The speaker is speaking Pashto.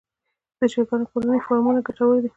د چرګانو کورني فارمونه ګټور دي